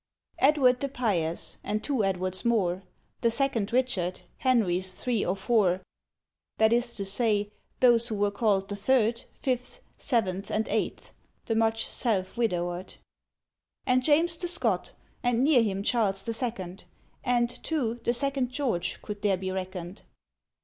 Edward the Pious, and two Edwards more, The second Richard, Henrys three or four; That is to say, those who were called the Third, Fifth, Seventh, and Eighth (the much self widowered), And James the Scot, and near him Charles the Second, And, too, the second George could there be reckoned.